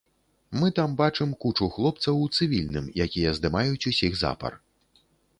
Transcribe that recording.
Мы там бачым кучу хлопцаў у цывільным, якія здымаюць усіх запар.